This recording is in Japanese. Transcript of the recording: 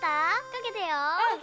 かけたよ。